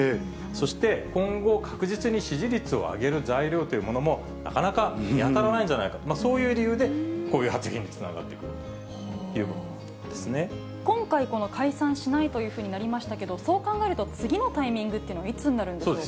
そして今後、確実に支持率を上げる材料というものもなかなか見当たらないんじゃないか、そういう理由で、こういう発言につながってくると今回、解散しないというふうになりましたけど、そう考えると次のタイミングはいつになるんでしょうか。